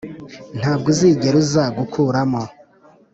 ntabwo uzigera uza gukuramo.